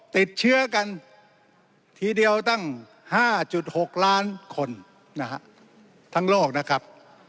ติดเชื้อกันทีเดียวตั้ง๕๖ล้านคนนะฮะทั้งโลกนะครับ